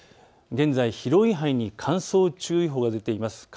現在広い範囲に乾燥注意報が出ています。